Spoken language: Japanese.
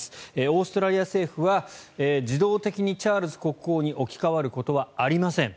オーストラリア政府は自動的にチャールズ国王に置き換わることはありません